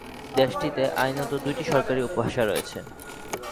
দেশটিতে আইনত দুইটি সরকারী ভাষা আছে।